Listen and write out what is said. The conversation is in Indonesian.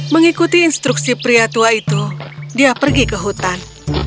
mengikuti instruksi pria tua itu dia pergi ke hutan